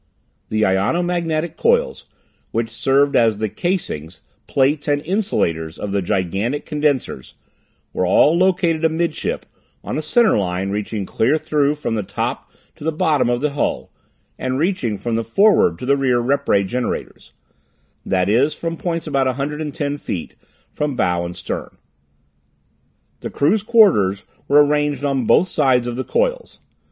The ionomagnetic coils, which served as the casings, "plates" and insulators of the gigantic condensers, were all located amidship on a center line, reaching clear through from the top to the bottom of the hull, and reaching from the forward to the rear rep ray generators; that is, from points about 110 feet from bow and stern. The crew's quarters were arranged on both sides of the coils.